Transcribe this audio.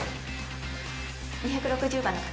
２６０番の方。